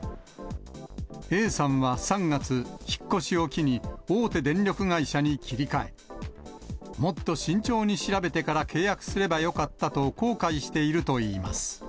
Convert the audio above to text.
Ａさんは３月、引っ越しを機に、大手電力会社に切り替え、もっと慎重に調べてから契約すればよかったと、後悔しているといいます。